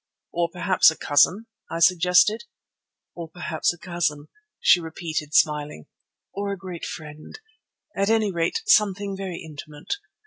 "Or perhaps a cousin," I suggested. "Or perhaps a cousin," she repeated, smiling, "or a great friend; at any rate something very intimate.